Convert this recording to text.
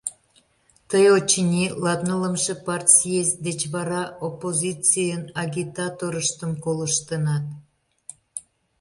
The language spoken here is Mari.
— Тый, очыни, латнылымше партсъезд деч вара оппозицийын агитаторыштым колыштынат.